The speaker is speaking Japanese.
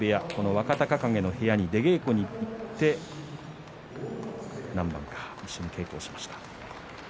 若隆景の部屋に出稽古に行って何番か出稽古をしました。